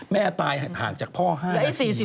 แม่ตายห่างจากพ่อให้